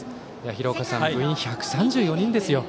廣岡さん、部員１３４人ですよ。